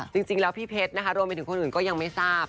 จริงแล้วพี่เพชรนะคะรวมไปถึงคนอื่นก็ยังไม่ทราบ